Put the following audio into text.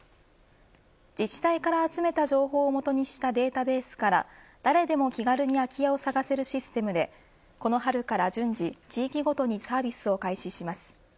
自治体から集めた情報を基にしたデータベースから誰でも気軽に空き家を探せるシステムでこの春から順次、地域ごとにサービスを開始します。